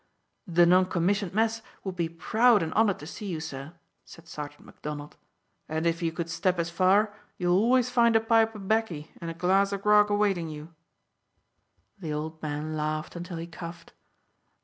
"The non commissioned mess would be proud and honoured to see you, sir," said Sergeant Macdonald; "and if you could step as far you'll always find a pipe o' baccy and a glass o' grog a waitin' you." The old man laughed until he coughed.